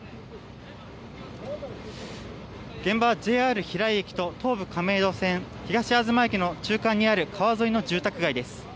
現場はＪＲ平井駅と東武亀戸線東あずま駅の中間にある川沿いの住宅街です。